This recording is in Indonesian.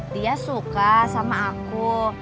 dia suka sama aku